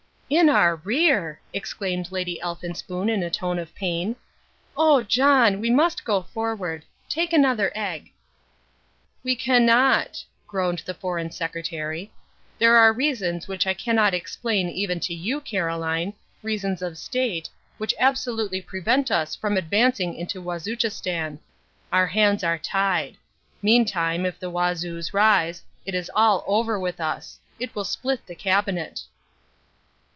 "In our rear!" exclaimed Lady Elphinspoon in a tone of pain. "Oh, John, we must go forward. Take another egg." "We cannot," groaned the Foreign Secretary. "There are reasons which I cannot explain even to you, Caroline, reasons of State, which absolutely prevent us from advancing into Wazuchistan. Our hands are tied. Meantime if the Wazoos rise, it is all over with us. It will split the Cabinet."